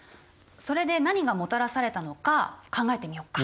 それで何がもたらされたのか考えてみよっか。